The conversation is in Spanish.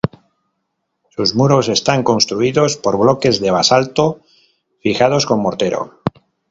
Sus muros están construidos por bloques de basalto fijados con mortero.